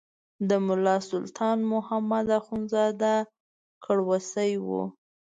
د ملا سلطان محمد اخندزاده کړوسی و.